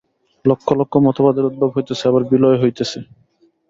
লক্ষ লক্ষ মতবাদের উদ্ভব হইতেছে, আবার বিলয় হইতেছে।